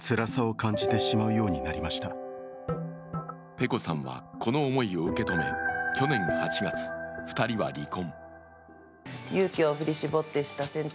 ｐｅｃｏさんは、この思いを受け止め去年８月、２人は離婚。